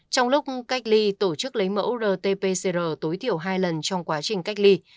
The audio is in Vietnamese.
trong lúc cách ly tổ chức lấy mẫu rt pcr tối thiểu hai lần trong quá trình cách ly